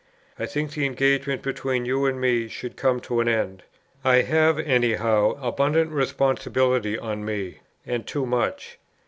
I think the engagement between you and me should come to an end. I have any how abundant responsibility on me, and too much.